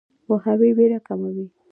پوهاوی ویره کموي.